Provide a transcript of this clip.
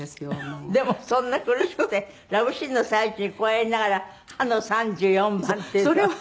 でもそんな苦しくてラブシーンの最中にこうやりながら「は」の３４番っていうと。